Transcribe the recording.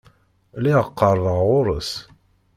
Lliɣ qerbeɣ ɣer-s.